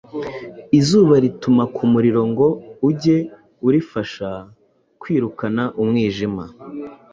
Izuba rituma ku muriro ngo uge urifasha kwirukana umwijima.